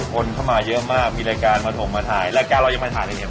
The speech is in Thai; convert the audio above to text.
คนเข้ามาเยอะมากมีรายการมาส่งมาถ่ายรายการเรายังมาถ่ายในเนี่ย